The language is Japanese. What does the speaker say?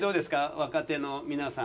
若手の皆さん。